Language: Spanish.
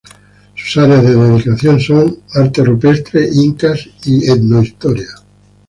Sus áreas de dedicación son arte rupestre, incas y etnohistoria.